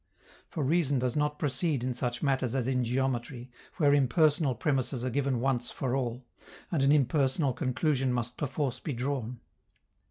For reason does not proceed in such matters as in geometry, where impersonal premisses are given once for all, and an impersonal conclusion must perforce be drawn.